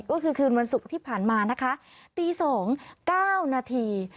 ก็คือคืนวันศุกร์ที่ผ่านมานะคะตี๒๙นาที